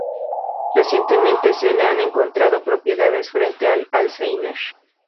Recientemente se le han encontrado propiedades frente al Alzheimer.